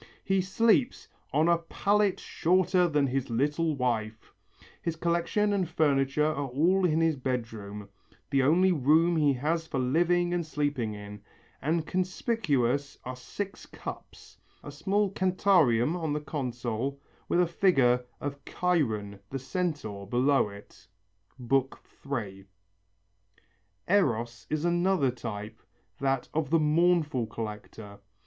He sleeps "on a pallet shorter than his little wife." His collection and furniture are all in his bedroom, the only room he has for living and sleeping in, and conspicuous are six cups, a small cantarium on a console with a figure of Chiron the Centaur below it (III). Eros is another type, that of the mournful collector.